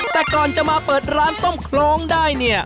แต่ก่อนจะมาเปิดร้านต้มโครงได้เนี่ย